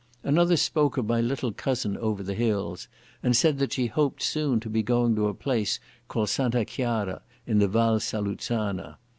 Another spoke of my little cousin over the hills, and said that she hoped soon to be going to a place called Santa Chiara in the Val Saluzzana.